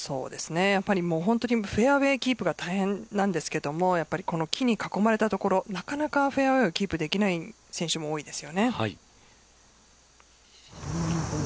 フェアウエーキープが大変なんですけどこの木に囲まれた所なかなかフェアウエーをキープできない選手も多いです。